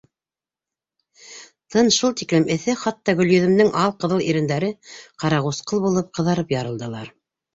Тын шул тиклем эҫе, хатта Гөлйөҙөмдөң ал ҡыҙыл ирендәре ҡарағусҡыл булып ҡыҙарып ярылдылар.